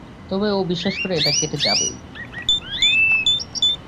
তবে ও বিশ্বাস করে এটা কেটে যাবেই।